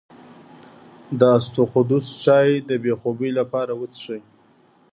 د اسطوخودوس چای د بې خوبۍ لپاره وڅښئ